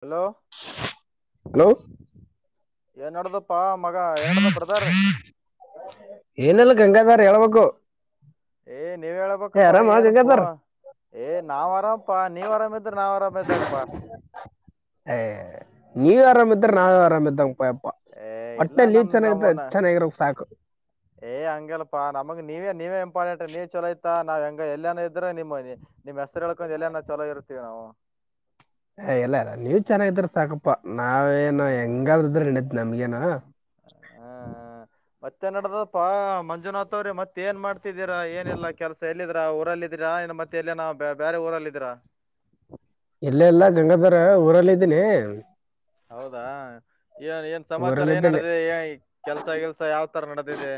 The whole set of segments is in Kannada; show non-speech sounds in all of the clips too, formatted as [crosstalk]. ಹಲೋ ಹಲೋ ಏನಡ್ದಪ್ಪಾ ಮಗ ಏನಡ್ದ ಬ್ರದರ್ ಏನಲ್ಲ ಗಂಗಾಧರ್ ಹೇಳವಗು ಏ್ ನೀವ್ ಹೇಳೇಳ್ಬೇಕಪ್ಪಾ ಏನ್ ಪ ಗಂಗಾಧರ್ ಏ ನಾವ್ ಅರಾಮಪಾ ನೀವ್ ಅರಾಮಿದ್ರೆ ನಾವ್ ಅರಾಮ ಇದ್ದಾಗಪ್ಪಾ ಹೇ ನೀವು ಆರಾಮಯಿದುರ್ ನಾವ ಆರಾಮಗಿದಂಗ ಅಪ್ಪ ಏ ಇಲ್ಲ ನಮ್ದ ನಾವನ್ನ ಚೆನ್ನಾಗಿರೋ ಸಾಕು ಏ ಹಂಗಗೆಲ್ಪಾ ನಮಗ್ ನೀವೇ ನೀವೇ ಇಂಪಾರ್ಟೆಂಟ್ ನೀ ಚಲ ಐತಾ ನಾವ್ ಹೆಂಗ ಎಲ್ಲನ ಇದ್ರೆ ನಿಮ್ಮ್ ಮನೆಿ ನಿಮ್ಮ ಹೆಸರುಳ್ಕೊಂಡ ಎಲ್ಲನ ಚಲೋ ಇರ್ತೀವಿ ನಾವು ಹ ಎಲ್ಲ ಇಲ್ಲ ನೀವ ಚೆನ್ನಾಗಿದ್ರ ಸಾಕಪ್ಪಾ ನಾವೇಏನು ಆ ಹೆಂಗಾದ ಇದ್ರೆ ನೆ ನಮ್ಗೆನಾ ಹ್ಮ ಮತ್ತೆ ನಡದಪ್ಪಾ ಮಂಜುನಾಥ ಅವ್ರಿ ಮತ್ತ ಏನ್ ಮಾಡ್ತಿದ್ದೀರಾ ಏನಲ್ಲಾ ಕೆಲ್ಸ ಎಲ್ಲಿದ್ರಾ ಊರಲ್ಲಿದ್ದೀರಾ ಇನ್ನು ಮತ್ತೆ ಎಲ್ಲೇನ ಬ್ಯ ಬೇರೆ ಊರಲ್ಲ ಇದಿರಾ ಇಲ್ಲ ಇಲ್ಲ ಗಂಗಾಧರ ಊರಲ್ಲಿದ್ದೀನಿ ಹೌದಾ ಏನ್ ಏನ್ ಸಮಾಚಾರ ಏನ್ ಊರಲ್ಲಿದ್ದೀನಿ ನಡೆದಿದೆ ಏ ಕೆಲ್ಸ ಗಿಲ್ಸ ಯಾವ್ ತರ ನಡೆದಿದೆ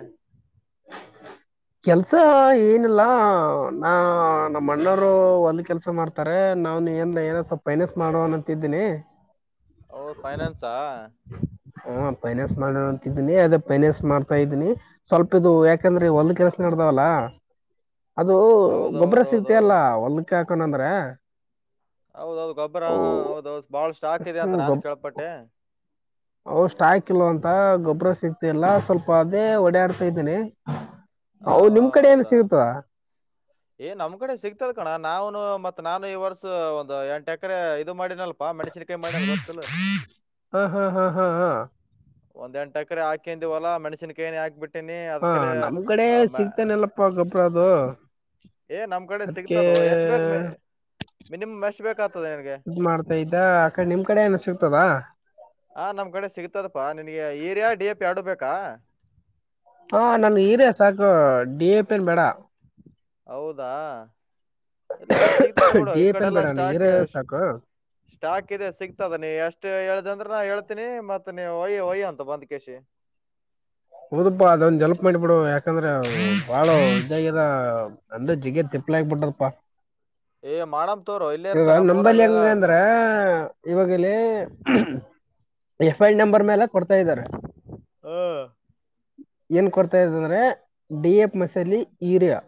ಕೆಲ್ಸ ಏನಿಲ್ಲ ನಾ ನಮ್ಮ ಅಣ್ಣವರು ಒಂದು ಕೆಲ್ಸ ಮಾಡ್ತಾರೆ ನಾವ ಏನ್ ಏನ ಸ್ವಲ್ಪ ಪೈನಸ್ ಮಾಡುವನ್ ಅಂತಿದ್ದೀನಿ ಹೌದ್ ಫೈನಾನ್ಸಾ ಹ ಪೈನಾಸ್ ಮಾಡ ಇದೀನಿ ಅದೇ ಪೆನೆನ್ಸ್ ಮಾಡ್ತಾ ಇದ್ದೀನಿ ಸ್ವಲ್ಪ ತಪ್ಪು ಯಾಕಂದ್ರೆ ಒಲ್ ಕೆಲ್ಸ ನಡ್ದಾವಲ್ಲ ಅದು ಗೊಬ್ಬರ ಸಿಗ್ತ ಅಲ್ಲ ಹೌದೌದೌದೌದು ಹೊಲ್ಕ ಕನನ ಅಂದ್ರ ಹೌದೌದು ಗೊಬರ ಹಾ ಹೌದೌದು ಬಾಳ ಸ್ಟಾಕ್ ಇದೆ ಅಂತ ಹ್ಮ್ ನಾನು ಗೊಬ ಕೇಳ್ಪಟ್ಟೆ ಅವ ಸ್ಟಾಕ್ ಅಂತ ಗೊಬ್ಬ್ರ ಸಿಕ್ತ ಮ ಎಲ್ಲ ಸ್ವಲ್ಪ ಅದೇ ಓಡಾಡ್ತಾ ಇದ್ದೇನಿ ಹ ಹೋ ಹೌದಾ ಏ ನಮ್ ಕಡೆ ಸಿಗ್ತದ ಕಣ ನಾವನು ಮತ್ತ ನಾನು ಈ ವರ್ಷ ಒಂದು ಎಂಟ ಎಕರೆ ಇದು ಮಾಡಿನಲ್ಲ ಪಾ ಮಣಷ್ಯನ ಕೈ ಮಾಡಲ್ಲ ಗತ್ತಲ್ಲ ಹಾ ಹಾ ಹಾ ಹಾ ಹಾ ಒಂದ ಎಂಟಕರೆ ಹಾಕೊಂಡಂದಿವಲ್ಲ ಮಣಸಿನಕೈಯನೆ ಹಾಕ್ಬಟ್ಟು ಅದಕ್ಕೆಲ್ಲ ಸಿಗ್ತಾನಲ್ಲಪ್ಪ ಗೊಬ್ರ ಅದು ಏ ನಮ್ ಕಡೆ ಅದಕ್ಕೆ ಸಿಗ್ತದೋ ಎಷ್ಟ್ ಬೇಕ್ ಮಿನಿಮಮ್ ಎಷ್ಟ್ ಬೇಕಾಗ್ತದೆ ನಿನ್ಗೆ ಇದದು್ ಮಾಡ್ತಾ ಇದ್ದ ಆ ಕಡೆ ನಿಮ್ ಕಡೆ ಏನ ಸಿಗು ತದ್ದಾ ಹ ನಮ್ ಕಡೆ ಸಿಗ್ತದಪ್ಪಾ ನಿನ್ಗೆ ಈಏರಿಯಾ ಡಿ ಎ ಪಿ ಎರಡು ಬೇಕಾ ಹಾ ನನ್ಗೆ ಹೀರ ಸಾಕು ಡಿ ಎ ಪಿನ್ ಬೇಡ ಹೌದಾ ಇಲ್ಲ ಸಿಗ್ತದ ಬಿುಡು ಡಿ ಈ ಎ ಪಿ ಏನ್ ಕಡೆಲ್ಲಾ ಬೇಡ ನನ್ ಸ್ಟಾಕ್ ಹೀರೆ ಸಾಕು ಸ್ಟಾಕ್ ಇದೆ ಸಿಗ್ತದ ನೀ ಎಷ್ಟ ಹೇಳ್ದಂದ್ರೆ ನಾ ಹೇಳ್ತೀನಿ ಮತ್ ಮ ಒಯ ವಯ್ಯಂತ ಬಂದ್ ಕೆಸ ಹೌದಪ್ಪಾ ಅದಂದು ಡೆವಲಪ್ ಮಾಡಿಬಿಡು ಯಾಕಂದ್ರ ಬಾಳ ಇದದ ಅಂದ್ರೆ ಜಿಗ ತಿಪ್ಪಲ ಆಗ್ಬಿಟ್ರಪ್ಪಾ ಏ ಮಾಡಮ್ ತೋರು ಇಲ್ಲೇ ಇರ್ತ ಇವಾಗ ನಮ್ಮ ಊರಾಗ ನಂಬಲ್ಲಿ ಎಲ್ಲ ಹೆಂಗ ಅಂದ್ರ ಇವಾಗಲ್ಲಿ ಎಫ್ ಐಲ್ ನಂಬರ್ ಮೇಲೆ ಕೊಡ್ತಾ ಇದ್ದಾರೆ ಏನ್ ಕೊಡ್ತಾದ ಅಂದ್ರೆ ಡಿ ಎಫ್ ಮಸಾಲ ಯರಿಯಾ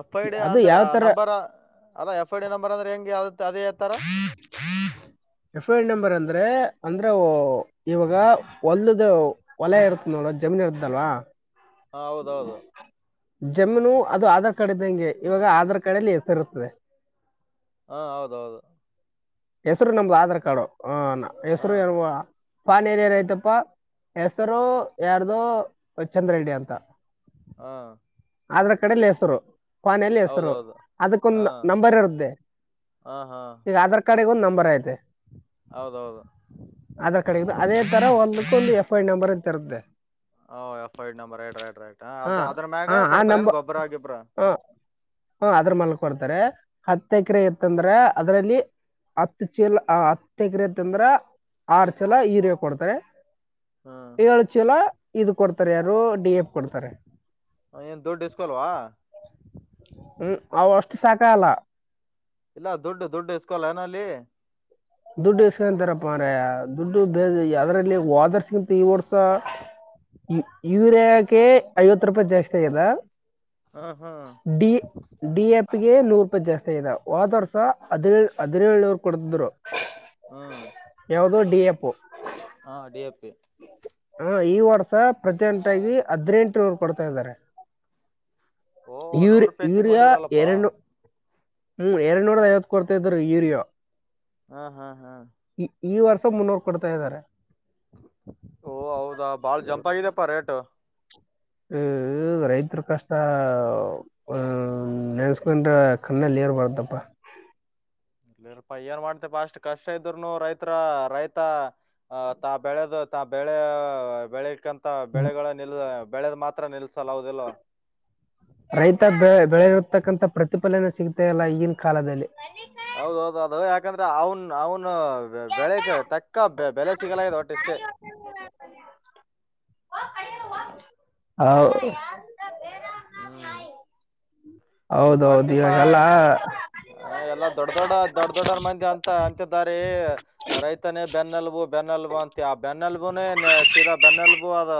ಎಫ್ ಐ ಡಿ ಅಂದ್ರೆ ನಂಬರ್ ಅಲ್ಲ ಎಫ್ ಐ ಡಿ ನಂಬರ್ ಅಂದ್ರೆ ಹೆಂಗಗೆ ಯ ಎಫ್ ಐ ನಂಬರ್ ಅಂದ್ರೆ ಅಂದ್ರೆ ಇವಾಗ ಹೊಲದ ಒಲೆ ಇರುತ್ತ ನೋಡ ಜಮೀನ್ ಇರ್ತ್ತಲ್ವಾ ಹ ಹೌದೌದು ಜಮನು ಅದು ಆಧಾರ್ ಕಾರ್ಡ್ ಇದ್ದಂಗೆ ಇವಾಗ ಆಧಾರ್ ಕಾರ್ಡ್ಲ್ಲಿ ಹೆಸರಿ ಇರುತದೆ ಹಾ ಹೌದೌದು ಹೆಸರು ನಮ್ದು ಆಧಾರ್ ಕಾರ್ಡು ಹ ಹಾ ಹೆಸರು ಏಲ್ವಾ ಪಾನೀನ ಏನಯ್ತಪ್ಪಾ ಹೆಸರು ಯಾರ್ದು ಚಂದ್ರಡ್ಡಿ ಅಂತ ಹಾ ಅದ್ರ ಕಡೆಲಿ ಹೆಸರು ಫೋನಲ್ಲಿ ಹೆಸರು ಹೌದೌದು ಹಾ ಅದಕ್ಕೊಂದು ನಂಬರ್ ಇರು್ದೆ ಹಾ ಹಾ ಆಧಾರ್ಿಗೆ ಒಂದುಂಬರ್ ಐತೆ ಹೌದೌದು ಅದ ಕಡೆ ಅದೇ ತರ ಒಂದು ಂದು ಎಫ್ ಐ ನಂಬರ್ ಅಂತರದ್ದೆ ಓ F I ID number ID right right ಹಾ ಅದ ಅದ್ರ ಹಾ ಮ್ಯಾಗ ಆ ಕೊಡ್ತಾರೆ ಏನ್ ನಂಬರ್ ಗೊಬ್ಬ್ರ ಆಗಿಬ್ರ ಹಾ ಹತ್ ಎಕರೆ ಇತ್ತಂದ್ರೆ ಅದ್ರಲ್ಲಿ ಹತ್ತು ಚೀಲ ಹತ್ತು ಎಕರೆ ತಂದ್ರ ಆರು ಚಲ ಹೀರ್ಯ ಕೊಡ್ತಾರೆ ಹ್ಮ್ ಈಗ ಚ ಎಲ್ಲ ಇದು ಕೊಡ್ತಾರೆ ಯಾರು ಡಿ ಎಫ್ ಕೊಡ್ತಾರೆ ಏನ್ ದುಡ್ಡು ಇಸ್ಕೊಲ್ವಾ ಹ್ಮ್ ಅವ ಅಷ್ಟು ಸಾಕಲ್ಲ ಇಲ್ಲ ದುಡ್ಡು ದುಡ್ಡು ಇಸ್ಕೋಲ್ಲ ಏನಲ್ಲಿ ದುಡ್ಡು ಎಸ್ಕಂತಾರಪ್ಪ ಅಂದ್ರ ದುಡ್ಡು ಬೇ ಅದರಲ್ಲಿ ವಾದರ್ಸ್ಗಿಂತ ಈ ವರ್ಷ ಯೂರಿಯಾಕ ಐವತ್ತು ರೂಪಾಯಿ ಜಾಸ್ತಿ ಆಗ್ಯದ ಹ್ಮ ಹಾ ಪ್ಪಗೆ ನೂರು ರೂಪಾಯಿ ಜಾಸ್ತಿ ಆದ ಹ ಒದ ವರ್ಷ ಹದಿನೇಳು ಹದಿನೇಳುನರು ಕುಡದ್ರು ಹಾ ಅಪ್ಪ ಹಾ ಅಡಿಯ ಮತ್ತು [inaudible] ಈ ವಾಟ್ಸ್ಪ್ ಪ್ರತಿೊಂಟಾಗಿ ಹದ್ನೆಂಟು ರು ಕೊಡ್ತಾ ಇದ್ದಾರೆ ಓ ನೂರು ಯುರ್ ರೂಪಾಯಿ ಹೆಚ್ಚಿಗೆ ಯೂರಿಯಾ ಮಾಡಿದ್ರಲ್ಲಪ್ಪಾ ಎರಡ್ನು ಹ್ಮ್ ಎರಡ್ನೂರದ ಐವತ್ತು ಕೊಡ್ತ ಇದ್ರರು ಯೂರಿಯೋ. ಹಾ ಹಾ ಹಾ ಈ ವರ್ಷ ಮುನ್ನೂರು ಕೊಡ್ತಾ ಇದ್ದಾರೆ ಓ ಹೌದಾ ಬಾಳ ಜಂಪ್ ಆಗಿದೆಪ್ಪ ರೇಟ್? ಹ ರೈತರು ಕಷ್ಟ ಆ ನೆನ್ಸ್ಕೊಂಡ್ರ ಕಣ್ಣಲ್ಲಿ ಬರುತ್ತಪ್ಪ. ಇಲ್ಲಿರಪ್ಪಾ ಏನ್ ಮಾಡ್ತಪ ಅಷ್ಟ್ ಕಷ್ಟ ಇದ್ರುನು ರೈತ್ರ ರೈತ ಅ ತಾ ಬೆಳೆದ ತಾ ಬೆಳೆ ಬೆಳಿಕನ್ ಬೆಳೆಗಳ ನಿಲದ ಬೆಳೆದ್ ಮಾತ್ರ ನಿಲ್ಸಲ್ ಹೌದಿಲ್ಲೋ. ರೈತ ಬೆ ಬೆಳೆರತಕ್ಕಂತ ಪ್ರತಿಫಲನೆ ಸಿಗ್ತಲ್ಲ ಈಗಿನ ಕಾಲದಲ್ಲಿ. ಹೌದೌದು ಅದು ಯಾಕಂದ್ರೆ ಅವ್ನ್ ಅವನು ಬೆಳಗೆ ತಕ್ಕ ಬೆ ಬೆಲೆ ಸಿಗಲ ಇದ್ ಒಟ್ಟ ಇಷ್ಟೇ. ಹೌ ಹ್ಮ್ ಏನ್ ಹೌದೌದು ಮಾಡ್ತೀಪ ಇವಾಗೆಲ್ಲಾ ಆ, ಎಲ್ಲ ದೊಡ್ಡ ದೊಡ್ಡ ದೊಡ್ಡ ದೊಡ್ಡರ್ ಮಂದಿ ಅಂತ ಅಂತ್ತಿದ್ದಾರಿ ರೈತನೇ ಬೆನ್ನೆಲ್ಬು ಬೆನ್ನೆಲ್ಬು ಅಂತಿ ಆ ಬೆನ್ನೆಲ್ಬುನೇ ಸೀದಾ ಬೆನ್ನೆಲ್ಬು ಅದ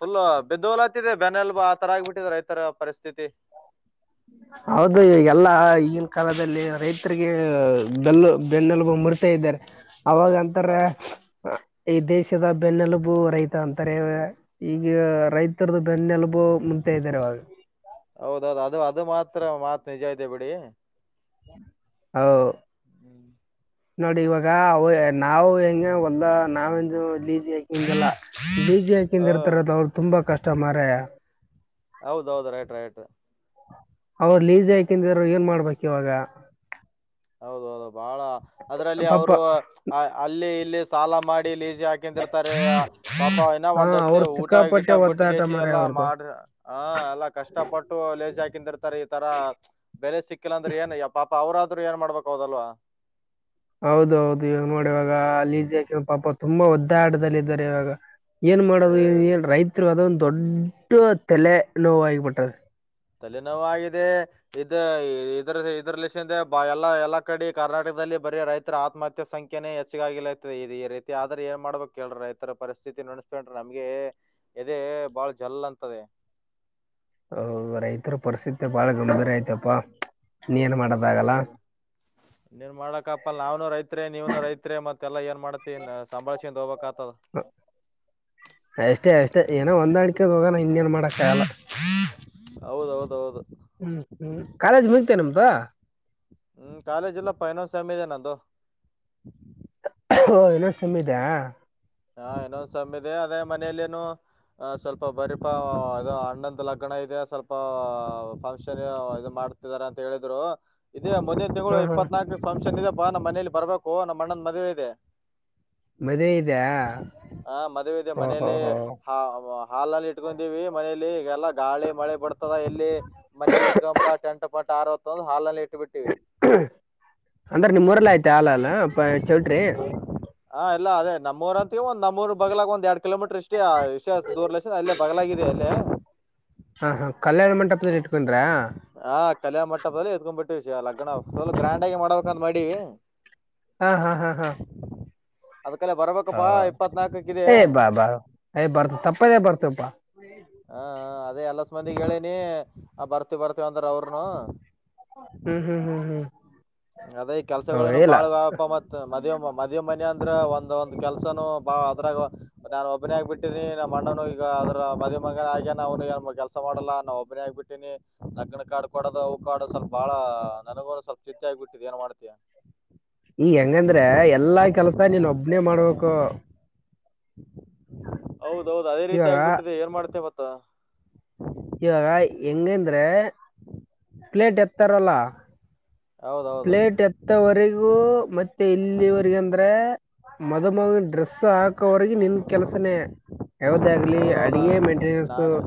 ಫುಲ್ ಬಿದ್ದೋಲತ್ತಿದೆ ಬೆನ್ನೆಲ್ಬು ಆ ತರ ಆಗ್ಬಿಟ್ಟಿದೆ ರೈತರ ಪರಿಸ್ಥಿತಿ. ಹೌದು ಎಲ್ಲ ಈಗಿನ ಕಾಲದಲ್ಲಿ ರೈತರಿಗೆ ಬೆಲ್ಲು ಬೆನ್ನೆಲ್ಬು ಮುರಿತ ಇದ್ದಾರೆ. ಅವಾಗ ಆ, ಅಂತಾರೆ ಅ ಈ ದೇಶದ ಬೆನ್ನೆಲುಬು ರೈತ ಅಂತಾರೆ ಈಗ ರೈತರದ ಬೆನ್ನೆಲು ಬು ಮುಂತ ಇದ್ದಾರೆ ಅವಾ ತ್ರ ಮಾತ್ ನಿಜ ಇದೆ ಬಿಡಿ. ಹೌ ಹ್ಮ್ ನೋಡಿ ಇವಾಗ ಅವ್ ನಾವು ಹೆಂಗ ಹೊಲ್ದ ನಾವಂದು ಲೀಜಿ ಹಾಕಿಂದಲ್ಲ. ಬೀಜಿ ಆ, ಹಾಕಿಂದ ಇರ್ತಾರದ ಅವ್ರು ತುಂಬಾ ಕಷ್ ಕಸ್ಟಮರೆಯ. ಹೌದೌದ ರೈಟ್ ರೈಟ್. ಅವರು ಲೀಸಿ ಆಕಿಂದರು ಏನ್ ಮಾಡ್ಬೇಕು ಇವಾಗ? ಹೌದ ಹೌದು ಬಹಳ ಅದ್ರಲ್ಲಿ ಅವರು ಪಾಪ ಅ ಅಲ್ಲಿ ಇಲ್ಲಿ ಸಾಲ ಮಾಡಿ ಲೀಜ್ ಹಾಕಿಂದಿರ್ತಾರೆ ಪಾಪ ಇನ್ನ ಹಾ ಒಂದ್ ಹತ್ತ ಅವ್ರ ಊಟ ಗಿಟ ಸಿಕ್ಕಾಪಟ್ಟೆ ಒದ್ದಾಟ ಬಿಟ್ಟಗಸಿ ಮಾರಾಯ ಎಲ್ಲಾ ಅವ್ರದು. ಮಾಡ ಹ ಎಲ್ಲಾ ಕಷ್ಟ ಪಟ್ಟು ಲೇಜ್ ಹಾಕಿಂದಿರ್ತಾರೆ ಈ ತರ ಬೆಲೆ ಸಿಕ್ಕಿಲ್ಲ ಅಂದ್ರೆ ಏನ್ ಯ ಪಾ ಪ ಅವ್ರ ದ್ರು ಏನ್ ಮಾಡ್ಬೇಕೌದಲ್ವಾ? ಹೌದೌದು ಇವಾಗ ನೋಡಿ ಇವಾಗ ಅ ಲಿಜಿಕ್ ಹಾಕಿ ಪಾಪ ತುಂಬಾ ಒದ್ ಆಟದಲ್ಲ ಇದ್ದಾರೆ ಇವಾಗ. ಏನ್ ಏ ಮಾಡೋದು ಎ ಹೇಳ್ ರೈತರು ಅದೊಂದ್ ದೊಡ್ಡ ತೆಲೆ ನೋವ್ ಆಯ್ ಬಿಟ್ಟದೆ. ತಲೆನೋವಾಗಿದೆ ಇದ ಇದ್ರ ಇದ್ರ ಲಿಸಿಂದ ಬ ಎಲ್ಲಾ ಎಲ್ಲಾ ಕಡೆ ಕರ್ನಾಟಕದಲ್ಲಿ ಬರೀ ರೈತರ ಆತ್ಮಹತ್ಯೆ ಸಂಖ್ಯನೇ ಹೆಚ್ಚಗಾಗಿಲತದೆ ಇದ ಈ ರೀತಿ ಆದ್ರ ಏನ್ ಮಾಡ್ಬೇಕ್ ಕೇಳ್ರ ರೈತರ ಪರಿಸ್ಥಿತಿ ನನೆಸ್ಕೊಂಡ್ರೆ ನಮ್ಗೆ ಎದೆ ಬಾಳ ಜಲ್ ಅಂತದೆ. ಹ ರೈತರ ಪರಿಸ್ಥಿತಿ ಬಾಳ ಗಂಭೀರ ಆಯ್ತಪಾ. ಹೌದೌದು ಇನ್ನೇನ ಮಾಡ್ಕಪ್ಪಲ್ಲ ರೈ ನೀವು ರೈತರೇ ಮತ್ತೆಲ್ಲಾ ಏನ್ ಮಾಡತಿ ಸಂಭಾಳಸ ಕೊಂಡ ಹೋಗ ಬೇಕು [unintelligible] ಅಷ್ಟೇ ಅಷ್ಟೇ ಏನೋ ಹೊಂದಾಡಿಕೊಂಡು ಹೋಗಾನ ಇನ್ನೇನು ಮಾಡಕ್ಕಾಗಲ್ಲ [unintelligible] ಹೌದು ಹೌದು ಹೌದು ಹು ಹು ಕಾಲೇಜ ಮುಗಿತಾ ನಿಮ್ದು ಹ್ಮ್ ಕಾಲೇಜ್ ಇಲ್ಲಪ್ಪಾ ಇನ್ನೊಂದ್ ಸೆಮ್ ಇದೆ ನಂದು [unintelligible] ಓ ಇನ್ನೊಂದ್ ಸೇಮ್ ಇದೆಯಾ ಹಾ ಇನೊಂದ್ ಸಮ್ಮ ಇದೆ ಅದೇ ಮನೆನಪು ಸರ್ ಇನ್ನೊಂದ ಸೇಮ್ ಅದೇ ಮನೆಯಲ್ಲಿ ನು ಅ ಸ್ವಲ್ಪ ಬರೀಪಾ ಅದು ಅಣ್ಣನಂದ ಲಗ್ನ ಇದೆ ಸ್ವಲ್ಪ ಫಂಕ್ಷನ್ ಇದು ಮಾಡ್ತಿದ್ದಾರೆ ಅಂತ ಹೇಳಿದರು ಇದೇ ಮುಂದಿನ ಹಾ ತಿಂಗಳು ಹಾ. ಇಪ್ಪತ್ನಾಕ ಬಂದ ಫಂಕ್ಷನ್ ಇದೆಪ್ಪಾ ನಮ್ಮ ಮನೇಲಿ ಬರ್ಬೇಕು ನಮ್ಮಅಣ್ಣಂದ ಮದುವೆ ಇದೆ ಮದುವೆ ಐತಿ ಹ ಮದುವೆ ಇದೆ ಮನೆಯಲ್ಲಿ ಹೋ ಹಾ ಅವ ಹಾಲ್ ಅಲ್ಲಿ ಇಟ್ಕೊಂಡಿವಿ ಮನೇಲಿ ಇಗೆಲ್ಲಾ ಗಾಳಿ ಮಳೆ ಬರ್ತದ ಎಲ್ಲಿ ಮನೆಲಿ ಇಟ್ಕೊಪ ಟೆಂಟ್ ಪಂಟ್ ಹಾರಿ ಹೋಯ್ತಾಂದರ ಹಾಲ್ ಅಲ್ಲಿ [unintelligible] ಅಂದ್ರೆ ನಿಮ್ಮೂರಲ್ಲ ಐತಾ ಹಾಲ್ ಅದ ಬಾ ಚೌಟ್ರಿ ಹಾ ಎಲ್ಲ ಅದೇ ನಮ್ಮಊರ ಐತಿ ಒಂದ ಅಪ್ ಮೂರು ಬಗಲಾಗ ಒಂದು ಎರಡ ಕಿ. ಲೋ ಮೀಟರ್ ಅಷ್ಟ ಏ ವಿಷ ದೂರ್ಲಕ್ಷ ಅಲ್ಲೇ ಬಗಲಾಗಿದೆ ಅಲ್ಲೇ ಹಾ ಹಾ ಕಲ್ಯಾಣ ಮಂಟಪದಲ್ಲಿ ಇಟ ಹಾ ಕಲ್ಯಾಣ ಮಂಟಪದಲ್ಲಿ ಎದಕೊಂಡ್ಬಿಟ್ಟು ಏ ಲಗ್ನ ಅವ ಫುಲ್ ಗ್ರ್ಯಾಂಡ್ ಆಗಿ ಮಾಡ್ಬೇಕಂತ ಮಾಡಿವಿ ಹ ಹ ಹ ಅದ್ಕಲೆ ಹ ಬರ್ಬೇಕಪ್ಪಾ ಇಪ್ಪತ್ನಾಕಕ್ಕಿದೆ ಏ ಬಾ ಬಾ ಏ ಬರ್ತ ತಪ್ಪದೇ ಬರ್ತೇಪಾ ಹಾ ಅದೇ ಎಲ್ಲ ಅಸ ಮಂದಿ ಹೇಳೇನಿ ಆ ಬರ್ತಿ ಬರ್ತ ಖುಷಿ ಆಗ್ತರಾವರನೂ ಹ್ಮ್ ಹ್ಮ್ ಹ್ಮ್ ಹ್ಮ್ ಅದೇ ಈ ಹ ಕೆಲಸಗಳನು ಇಲ್ಲ ಬಾಳ ಅಡವಪ್ಪ ಮತ್ತ ಮದುವೆ ಮದುವೆ ಮನೆ ಅಂದ್ರ ಒಂದು ಒಂದು ಕೆಲಸನು ಬಾಳ ಅದರಾಗ ನಾನ್ ಒಬ್ಬನೇ ಆಗಿಬಿಟ್ಟಿದ್ದೇನೆ ನಮ್ಮ ಅಣ್ಣನು ಈಗ ಅದರ ಮದು ಮಗ ಆಗ್ಯನ ಅವನು ಈಗ ಕೆಲಸಾ ಮಾಡಲ್ಲಾ ನಾನ ಒಬ್ಬನೇ ಆಗ್ಬಿಟ್ಟೀನಿ ಲಗ್ನ ಕಾರ್ಡ್ ಕೊಡೋದು ಅವು ಕಾರ್ಡ್ ಸ್ವಲ್ಪ ಬಾಳ ನನಗೂ ಸ್ವಲ್ಪ ಚಿಂತಿ ಹಂಗಾಗ್ಬಿಟ್ಟಿದ ಏನ ಮಾಡ್ತಿಯಾ ಈ ಹೆಂಗಂದ್ರೆ ಎಲ್ಲಾ ಕೆಲಸಾ ನಿನ ಒಬ್ಬನೇ ಮಾಡ್ಬೇಕು [unintelligible] ಹೌದು ಹೌದು ಅದೇ ರೀತಿ ಇವಾಗ ಆಗಿಬಿಟ್ಟಿದೆ ಏನ್ ಮಾಡತಿ ಮತ್ತ ಹ ಇವಾಗ ಹೆಂಗಂದ್ರೆ ಪ್ಲೇಟ್ ಎತ್ತಾರಲ್ಲ ಹೌದೌದು ಪ್ಲೇಟ್ ಎತ್ತೊವರಿಗೂ ಮತ್ತೆ ಇಲ್ಲಿವರಿಗ್ ಅಂದ್ರೆ ಮದು ಮಗ ಡ್ರೆಸ್ ಸ ಹಾಕೋವರ್ಗೆ ನಿನ್ ಕೆಲಸನೇ, ಯಾವ್ದೇ ಆಗ್ಲಿ ಹೌದೌದ ಅಡಿಗೆ ಮೇಂಟೆನೆನ್ಸ್ ನಾನೇ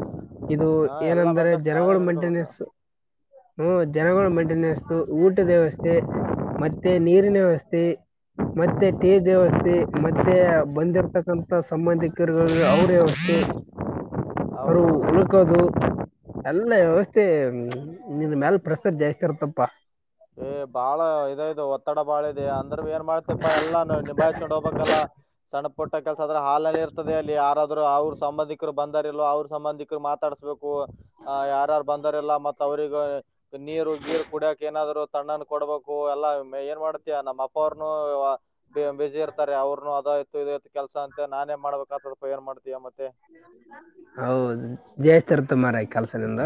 ಇದು ಹಾ ಎಲ್ಲಾ ಏನಂದ್ರೆ ನಾನೇ ಜನಗಳ್ ನೋಡ್ಕೊಬೇಕು ಮೇಂಟೆನೆನ್ಸ್ ಹ್ಮ ಜನಗಳ್ ಮೇಂಟೆನೆನ್ಸು ಊಟ ವ್ಯವಸ್ಥೆ ಮತ್ತೆ ನೀರಿನ ವ್ಯವಸ್ಥೆ ಮತ್ತೆ ಟೇಜ್ ವ್ಯವಸ್ಥೆ ಮತ್ತೆ ಬಂದಿರ್ತಕ್ಕಂತ ಸಂಬಂಧಿಕರು ಅವ್ರ್ ವ್ಯವಸ್ಥೆ ಅವ್ರು ಹೌದೌದು. ಉಳ್ಕೋದು ಎಲ್ಲ ವ್ಯವಸ್ಥೆ ನಿನ್ ಮ್ಯಾಲ ಪ್ರೆಸರ್ ಜಾಸ್ತಿ ಇರ್ತದ್ ಪ ಎ ಬಾಳ ಇದ್ ಐತೆ ಒತ್ತಡ ಬಾಳ ಇದೆ ಅಂದ್ರು ಏನ್ ಮಾಡ್ತಿಪಾ ಎಲ್ಲಾ ನಿಭಾಯಸ್ಕೊಂಡ್ ಹೋಗ್ಬೇಕಲ್ಲ ಸಣ್ಪುಟ್ಟ ಕೆಲ್ಸ ಆದ್ರೆ ಹಾಲಲ್ಲೆ ಇರ್ತದೆ ಅಲ್ಲಿ ಯಾರಾದ್ ಅವ್ರ್ ಸಂಬಂಧಿಕ್ರು ಬಂದಾರಿಲ್ಲೊ, ಅವ್ರ್ ಸಂಬಂಧಿಕ್ರು ಮಾತಾಡಸ್ಬೇಕು, ಆ ಯಾರಾರ್ ಬಂದಾರಿಲ್ಲ ಮತ್ತ ಅವ್ರಿಗೂ ನೀರು ಗೀರು ಕುಡಿಯಾಕ್ ಏನಾದ್ರು ತಣ್ಣನ್ ಕೊಡ್ಬೇಕು ಎಲ್ಲಾ ಏನ್ ಮಾಡ್ತಿಯಾ ನಮ್ಮ್ ಅಪ್ಪ ಅವ್ರು ನೂ ಬಿಸಿ ಇರ್ತಾರೆ ಅವ್ರ್ನು ಅದಾಯ್ತು ಇದ್ ಆಯ್ತ್ ಕೆಲ್ಸ ಅಂತ ನಾನೇ ಮಾಡ್ಬೇಕಾತದ್ ಅಪ್ಪ ಏನ್ ಮಾಡ್ತಿಯ ಮತ್ತೆ ಕೆಲ್ಸದಿಂದ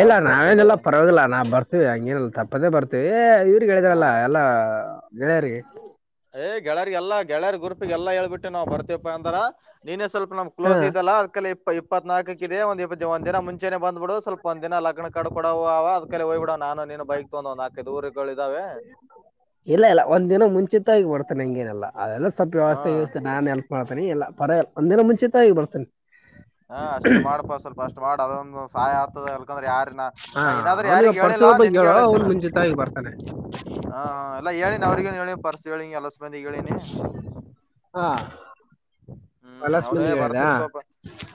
ಇಲ್ಲ ಇರ್ತದೆ ನಾವೇನೆಲ್ಲ ಪರ್ವಾಗಿಲ್ಲ ನಾವು ಬರ್ತೀವಿ ಹಂಗೆನಿಲ್ಲ ತಪ್ಪದೇ ಬರ್ತೀವಿ ಎ ಇವ್ರಿಗೆ ಆ. ಹೇಳಿದ್ರಲ್ಲ ಎಲ್ಲಾ [unintelligible] ಎ ಗೆಳಯರಿಗ್ ಎಲ್ಲ ಗೆಳೆಯರ್ ಗ್ರೂಪಿಗ್ ಎಲ್ಲ ಹೇಳ್ಬಿಟ್ಟು ನಾವ್ ಬರ್ತಿವ್ಪ ಅಂದರ ನೀನೇ ಸ್ವಲ್ಪ ನಮ್ ಹಾ ಕ್ಲೋಸ್ ಇದಲ್ಲ ಅದ್ಕಲ್ಲಿ ಇಪ್ಪತ್ನಾಲ್ಕಕ್ ಇದೆ ಒಂದ್ ಇಪ್ಪ ಒಂದ್ ದಿನ ಮುಂಚೆನೆ ಬಂದ್ಬಿಡು ಸ್ವಲ್ಪ ಒಂದ್ ದಿನ ಲಗ್ನ ಕಡ್ ಕೊಡವ ಕ್ಕೆ ಹೋಗ್ಬಿಡನ ನಾನು ನೀನು ಬೈಕ್ [unintelligible] ದೂರ ಇಲ್ಲ ಇಲ್ಲ ಒಂದ್ ದಿನ ಮುಂಚಿತ್ತಾಗಿ ಬರ್ ಅನಂಗೇನಲ್ಲ ಅದೆಲ್ಲ ಸ್ವಲ್ಪ್ ಹಾ ವ್ಯವಸ್ಥೆ ಗಿವಸ್ಥೆ ನಾನೆ ಮಾಡ್ತಿನಿ ಎಲ್ಲ ಪರಲ್ ಒಂದಿನ ಮುಂಚಿತ್ತಾಗಿ ಬರ್ತಿನಿ ಹಾ ಅಷ್ಟೇ ಮಾಡ್ಪಾ ಸ್ವಲ್ಪ ಅಷ್ಟ್ ಮಾಡ್ ಅದೊಂದು ಸಹಾಯ ತದೆ [unintelligible] ಹಾ ನಾ ಏನಾದ್ರು ಅವನಿಗೆ ಯಾರಿಗ್ ಹೇಳಿಲ್ಲ ಪರ್ಸಿಗಳ ಬಗ್ಗೆ ನಿನ್ಗೆ ಹೇಳೋ ಹೇಳತೇನ ಅವ್ನ್ ಮುಂಚಿತವಾಗಿ ಬರ್ತಾನೆ ಹ ಹ ಎಲ್ಲ ಹೇಳಿನಿ ಅವೃಗುನು ಹೇಳೀನಿ ಪರ್ಸ್ [unintelligible] ಅಲಸ್ ಮಂದಿಗ್ ಹೇಳೇನಿ ಹಾ ಹ್ಮ್ ಕಲಾಸ್ ಅವ್ನೇ ಮಂದಿಗೆ ಹೇಳಿದ ಬರ್ತಿರ್ತವ್, ಪ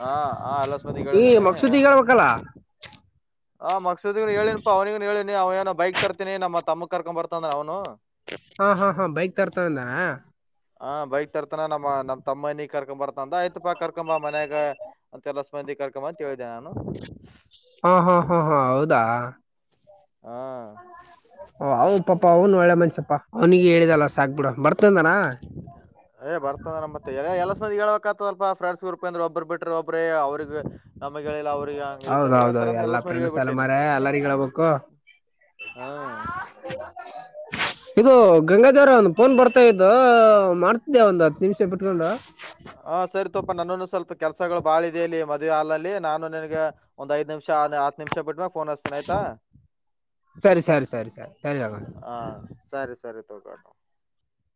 ಹ ಹ ಅಲ್ಸ್ಮಂದಿಗ್ ಈ ಹೇಳಿದಿನಿ ಮಕ್ಸೂದಿಗೆ ಹೇಳ್ಬೇಕಲ್ಲ ಆ ಮಕ್ಸುದಿಗೂ ಹೇಳಿನ್ಪಾ ಅವ್ನಿಗುನು ಹೇಳಿನಿ ಅವ್ನ್ ಏನೋ ಬೈಕ್ ತರ್ತೀನಿ ನಮ್ ತಮ್ಮ ಕರ್ಕೊಮ್ ಬರ್ತನೆ ಅವ್ನು ಹಾ ಹಾ ಹಾ ಬೈಕ್ ತರ್ತಿದಾನ ಹ ಬೈಕ್ ತರ್ತಾನ ನಮ್ಮ ನಮ್ಮ ತಮ್ಮನಿಗೆ ಕರ್ಕ್ ಬರ್ತ. ಚಂದ ಆಯ್ತಪ್ಪಾ ಕರ್ಕೊಂಬ ಮನ್ಯಾಗ ಅಂತೆಲ್ಲ ಮಂದಿ ಕರ್ಕೊಂಡ ಬಾ ಅಂತೇಳಿದೆನೆ ನಾನು ಹಾ ಹಾ ಹಾ ಹಾ ಹೌದಾ ಹಾ ಅವ ಪಾಪಾ ಅವನು ಒಳ್ಳೆ ಮನುಷ ಅವ್ನಿಗೆ ಹೇಳಿದಲ್ಲ ಸಾಕ್ ಬಿಡ ಬರ್ತಂದಾನ ಏ ಬರ್ತದ ನ ಮತ್ತೆ ಎಲ್ಲ ಸಂದಿ ಹೇಳ್ಬೇಕತ ಅಲ್ಪ ಫ್ರೆಂಡ್ಸ್ ಗ್ರೂಪ್ ಅಂದ್ರ ಒಬರು ಬಿಟ್ರ ಒಬ್ರೇ ಅವ್ರಿಗೆ ನಮ್ಗ ಹೇಳಿಲ್ಲಾ ಅವ್ರಿಗೆ ಹಂಗ ಈತರ ಹೌದೌದು ಹೇಳ್ತಾರ ಅಂತ ಎಲ್ಲ ಎಲ್ಲಸ ಮಂದಿಗೆ ಹೇಳಿ ಫ್ರೆಂಡ್ಸ್ ಎಲ್ಲ ಬಿಟ್ಟೇನೆ ಮಾರೆ ಎಲ್ಲರಿಗೂ ಹೇಳ್ಬೇಕು ಹ್ಮ ಇದು ಗಂಗಾಧವರ ಒಂದು ಫೋನ್ ಬರ್ತಾ ಇದ ಮಾಡ್ ಇದೇ ಒಂದ್ ಹತ್ತು ನಿಮಿಷ ಬಿಟ್ಕೊಂಡ್ ಪ್ಪ ನನ್ನನ್ನು ಸ್ವಲ್ಪ ಕೆಲಸಗಳು ಬಾಳ ಇದದೆ ಇಲ್ಲಿ ಮದುವೆ ಹಾಲಲ್ಲಿ ನಾನು ನಿನಗ ಒಂದ್ ಐದು ನಿಮಿಷ ಹತ್ ನಿಮಿಷ ಬಿಟ್ಟ್ಮೇಾಗ ಫೋನ್ ಹಚ್ಚತೀನಿ ಆಯ್ತಾ. ಸರಿ ಸರಿ ಸರಿ ಸರಿ ಸರಿ ಹಾ ಸರಿ ಸರಿ ತ ಕಟೋ